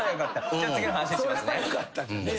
じゃあ次の話しますね。